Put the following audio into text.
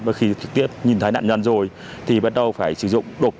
và khi trực tiếp nhìn thấy nạn nhân rồi thì bắt đầu phải sử dụng đột